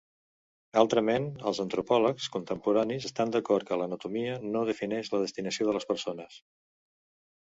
Altrament, els antropòlegs contemporanis estan d'acord que l'anatomia no defineix la destinació de les persones.